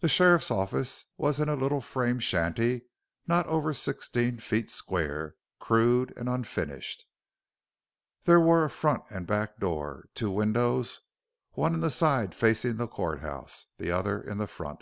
The sheriff's office was in a little frame shanty not over sixteen feet square, crude and unfinished. There were a front and back door, two windows one in the side facing the court house, the other in the front.